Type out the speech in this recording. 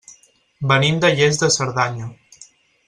Venim de Lles de Cerdanya.